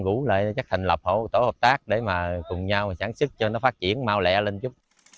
gũ lại chắc thành lập hộ tổ hợp tác để mà cùng nhau sáng sức cho nó phát triển mau lẹ lên chút